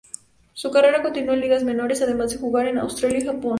Su carrera continuó en ligas menores, además de jugar en Australia y Japón.